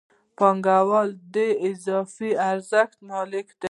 پانګوال د دې اضافي ارزښت مالک دی